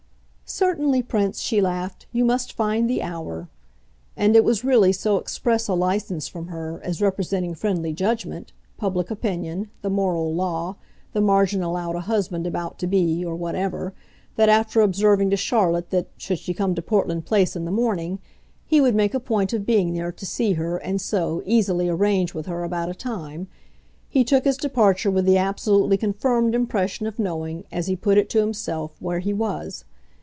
"Certainly, Prince," she laughed, "you must find the hour!" And it was really so express a license from her, as representing friendly judgment, public opinion, the moral law, the margin allowed a husband about to be, or whatever, that, after observing to Charlotte that, should she come to Portland Place in the morning, he would make a point of being there to see her and so, easily, arrange with her about a time, he took his departure with the absolutely confirmed impression of knowing, as he put it to himself, where he was.